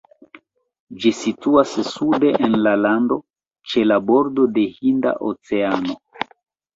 Ĝi situas sude en la lando, ĉe la bordo de Hinda Oceano.